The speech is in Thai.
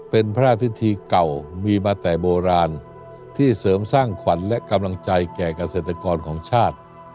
เป็นพระราชพิธีเก่ามีมาแต่โบราณที่เสริมสร้างขวัญและกำลังใจแก่เกษตรกรของชาติ